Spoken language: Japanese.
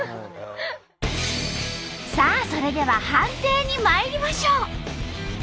さあそれでは判定にまいりましょう！